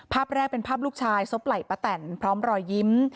ภาพแรกเป็นภาพลูกชายซบไหล่ป้าแต่นพร้อมรอยยิ้ม